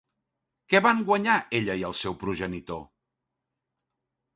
Què van guanyar ella i el seu progenitor?